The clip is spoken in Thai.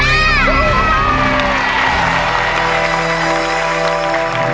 สู้